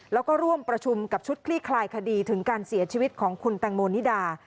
แล้วก็ร่วมประชุมกับชุดคลี่คลายคดีถึงการเสียชีวิตของคุณแตงโมนิดา